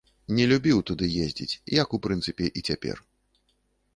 Не любіў туды ездзіць, як, у прынцыпе, і цяпер.